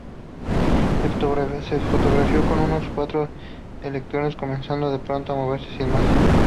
Se fotografió como unos cuantos electrones comenzaron de pronto a moverse sin más.